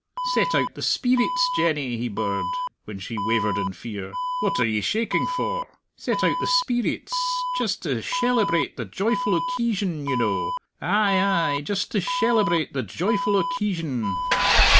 "Set out the speerits, Jenny," he birred, when she wavered in fear. "What are ye shaking for? Set out the speerits just to shelebrate the joyful occeesion, ye know ay, ay, just to shelebrate the joyful occeesion!"